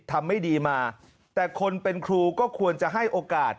ไม่ดีมาแต่คนเป็นครูก็ควรจะให้โอกาส